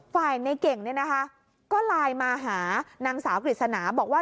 ในเก่งเนี่ยนะคะก็ไลน์มาหานางสาวกฤษณาบอกว่า